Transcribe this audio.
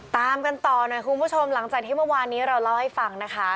ตามกันต่อหน่อยคุณผู้ชมหลังจากที่เมื่อวานนี้เราเล่าให้ฟังนะคะ